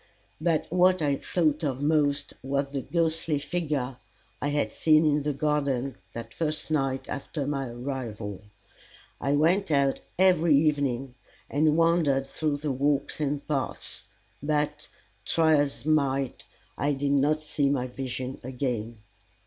But what I thought of most was the ghostly figure I had seen in the garden that first night after my arrival. I went out every evening and wandered through the walks and paths; but, try as I might, I did not see my vision again.